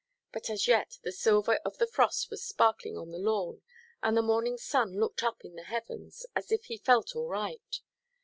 But as yet the silver of the frost was sparkling on the lawn, and the morning sun looked up the heavens, as if he felt all right.